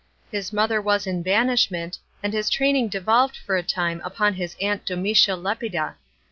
Hi , mother was in banish ment, ami his training d v«»l ed 'or a time upon his aunt Domitia Lepida.